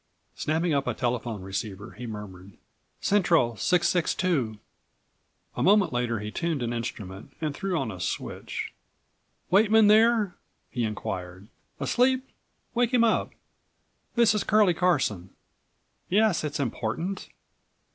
Snapping up a telephone receiver he murmured: "Central 662." A moment later he tuned an instrument and threw on a switch; "Weightman there?" he inquired. "Asleep? Wake him up. This is Curlie Carson. Yes, it's important.